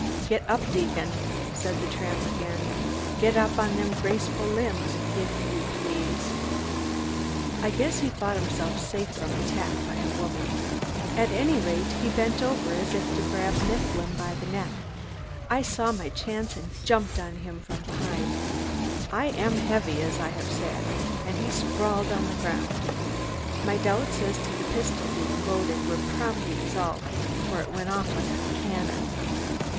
"Get up, deacon!" said the tramp again. "Get up on them graceful limbs, if you please." I guess he thought himself safe from attack by a woman. At any rate, he bent over as if to grab Mifflin by the neck. I saw my chance and jumped on him from behind. I am heavy, as I have said, and he sprawled on the ground. My doubts as to the pistol being loaded were promptly dissolved, for it went off like a cannon.